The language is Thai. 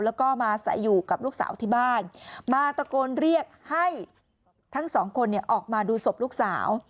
แล้วก็มาใส่อยู่กับลูกสาวที่บ้านมาตะโกนเรียกให้ทั้งสองคนออกมาดูศพลูกสาว